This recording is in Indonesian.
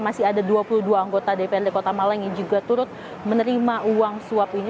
masih ada dua puluh dua anggota dprd kota malang yang juga turut menerima uang suap ini